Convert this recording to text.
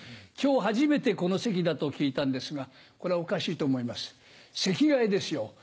今日初めてこの席だと聞いたんですがこれはおかしいと思います席替えですよ。